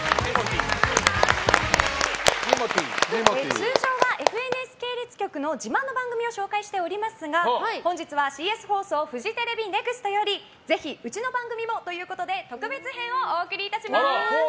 通常はＦＮＳ系列局の自慢の番組を紹介しておりますが本日はＣＳ放送フジテレビＮＥＸＴよりぜひうちの番組も！ということで特別編をお送りいたします！